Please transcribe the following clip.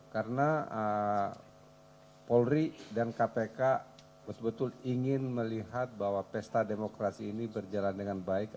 karena polri dan kpk betul betul ingin melihat bahwa pesta demokrasi ini berjalan dengan baik